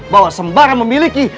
bahwa sembara memiliki